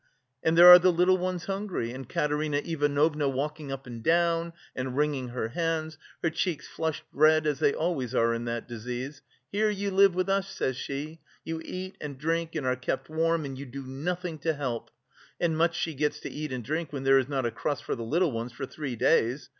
And there are the little ones hungry.... And Katerina Ivanovna walking up and down and wringing her hands, her cheeks flushed red, as they always are in that disease: 'Here you live with us,' says she, 'you eat and drink and are kept warm and you do nothing to help.' And much she gets to eat and drink when there is not a crust for the little ones for three days!